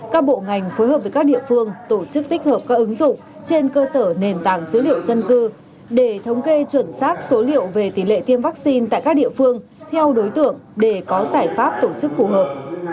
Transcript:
các bộ ngành phối hợp với các địa phương tổ chức tích hợp các ứng dụng trên cơ sở nền tảng dữ liệu dân cư để thống kê chuẩn xác số liệu về tỷ lệ tiêm vaccine tại các địa phương theo đối tượng để có giải pháp tổ chức phù hợp